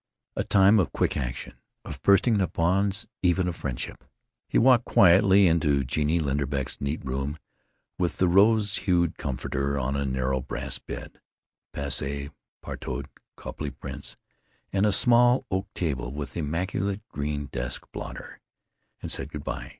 A time of quick action; of bursting the bonds even of friendship. He walked quietly into Genie Linderbeck's neat room, with its rose hued comforter on a narrow brass bed, passe partouted Copley prints, and a small oak table with immaculate green desk blotter, and said good by....